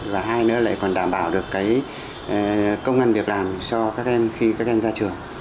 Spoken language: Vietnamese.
và hai nữa lại còn đảm bảo được cái công an việc làm cho các em khi các em ra trường